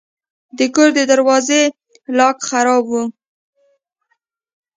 د کور د دروازې لاک خراب و.